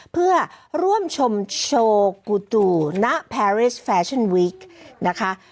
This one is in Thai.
เพื่อร่วมชมโชว์กูตูณแพรริสแฟชั่นวิกนะคะ